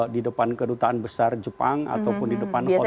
di depan kedutaan besar jepang ataupun di depan hotel